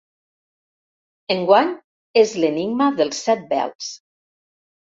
Enguany és l'Enigma dels set vels.